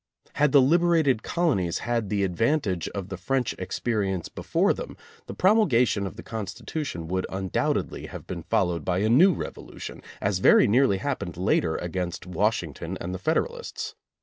Had the liberated colonies had the advantage of the French experience before them, the promulgation of the Constitution would undoubtedly have been fol lowed by a new revolution, as very nearly hap pened later against Washington and the Federal ists.